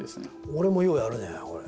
俺もようやるねこれ。